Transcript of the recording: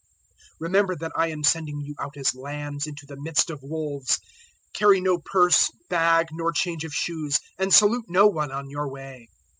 010:003 Remember that I am sending you out as lambs into the midst of wolves. 010:004 Carry no purse, bag, nor change of shoes; and salute no one on your way."